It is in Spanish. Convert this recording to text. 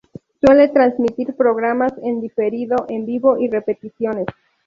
Suele transmitir programas en diferido, en vivo y repeticiones.